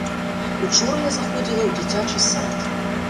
Учора я заходзіла ў дзіцячы сад.